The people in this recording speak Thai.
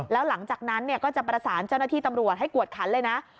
แล้วหลังจากนั้นก็จะประสานเจ้าหน้าที่ตำรวจให้กวดขันเลยนะ